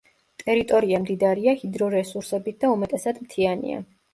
ტერიტორია მდიდარია ჰიდრორესურსებით და უმეტესად მთიანია.